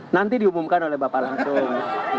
nanti diumumkan oleh bapak langsung